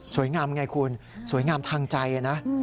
งามไงคุณสวยงามทางใจนะ